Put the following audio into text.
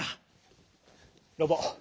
ロボ。